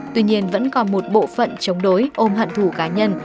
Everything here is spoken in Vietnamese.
tuy nhiên vẫn còn một bộ phận chống đối ôm hận thủ cá nhân